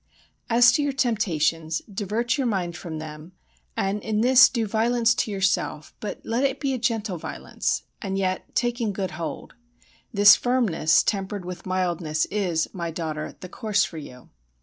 ] As to your temptations, divert your mind from them, and in this do violence to yourself, but let it be a gentle violence, and yet taking good hold. This firmness tempered with mildness is, my daughter, the course for you.